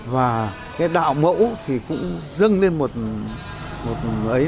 và cái đạo mẫu thì cũng dưng lên một